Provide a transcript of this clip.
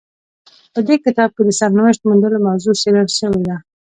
په دې کتاب کې د سرنوشت موندلو موضوع څیړل شوې ده.